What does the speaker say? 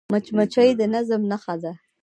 مچمچۍ د نظم نښه ده